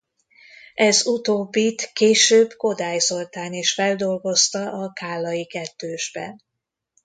Ez utóbbit később Kodály Zoltán is feldolgozta a Kállai kettősben.